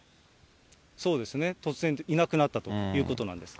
そうですね、突然いなくなったということなんです。